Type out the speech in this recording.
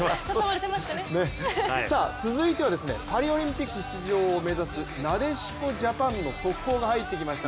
続いてはパリオリンピック出場を目指すなでしこジャパンの速報が入ってきました。